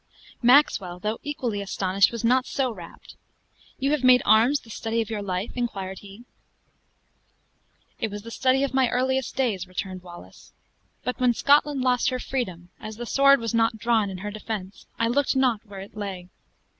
Maxwell, though equally astonished, was not so rapt. "You have made arms the study of your life?" inquired he. "It was the study of my earliest days," returned Wallace. "But when Scotland lost her freedom, as the sword was not drawn in her defense, I looked not where it lay.